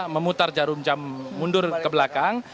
memutar jarum jam mundur ke belakang